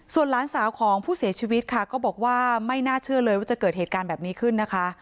ส่วนหลานสาวของผู้เสียชีวิตค่ะก็บอกว่าไม่น่าเชื่อเลยว่าจะเกิดเหตุการณ์แบบนี้ขึ้นนะคะ